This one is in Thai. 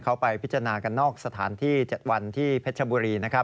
เขาไปพิจารณากันนอกสถานที่๗วันที่เพชรบุรีนะครับ